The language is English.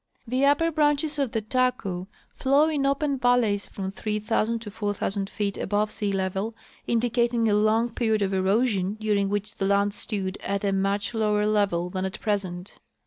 The upper branches of the Taku flow in open valleys from 3,000 to 4,000 feet above sea level, indicating a long period of erosion during which the land stood at a much lower level than at present.